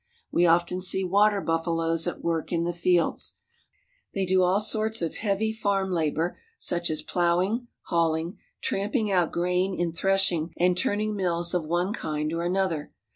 We often see water buffaloes at work in the fields. They do all sorts of heavy farm labor such as plowing, hauling, tramping out grain in threshing, and turning mills of one kind or another.